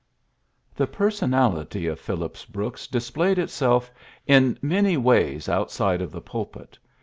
VI. The personality of Phillips Brooks displayed itself in many ways outside of the pulpit.